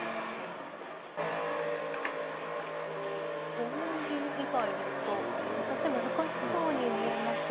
５四銀以外ですと指し手難しそうに見えますが。